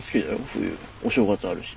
冬お正月あるし。